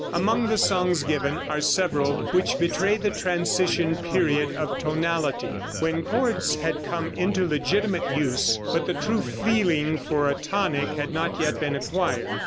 Among the songs given are several which betray the transition period of tonality, when chords had come into legitimate use, but the true feeling for a tonic had not yet been acquired.